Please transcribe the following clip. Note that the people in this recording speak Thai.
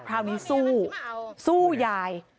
คราวนี้สู้สู้ยาย